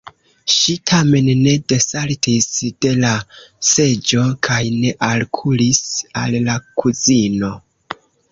Ŝi tamen ne desaltis de la seĝo kaj ne alkuris al la kuzino.